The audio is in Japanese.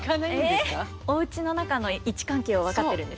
おうちの中の位置関係は分かってるんですね。